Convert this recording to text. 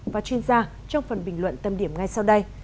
và chuyên gia trong phần bình luận tâm điểm ngay sau đây